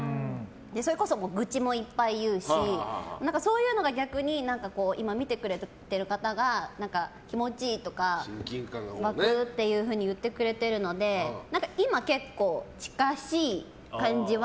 それこそ、愚痴もいっぱい言うしそういうのが逆に今見てくれてる方が気持ちいいとか親近感が湧くとか言ってくれているので今、結構近しい感じは。